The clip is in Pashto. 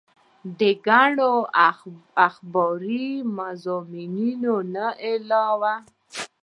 د ګڼو اخباري مضامينو نه علاوه